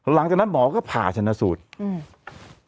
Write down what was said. หลังจากนั้นหมอก็ผ่าชนะสูตรอืม